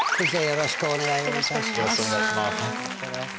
よろしくお願いします。